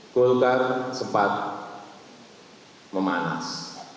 golkar sempat memanas